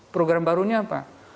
program barunya apa